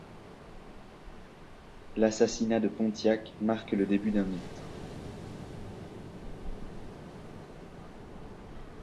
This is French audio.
L'assassinat de Pontiac marque le début d'un mythe.